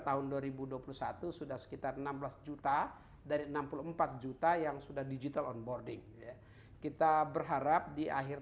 tahun dua ribu dua puluh satu sudah sekitar enam belas juta dari enam puluh empat juta yang sudah digital onboarding kita berharap di akhir